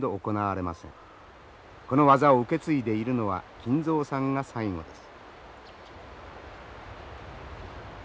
この技を受け継いでいるのは金蔵さんが最後です。